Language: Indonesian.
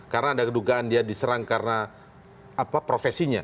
karena ada kedugaan dia diserang karena profesinya